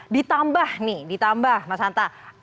ditambah nih ditambah mas hanta